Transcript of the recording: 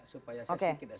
supaya saya sedikit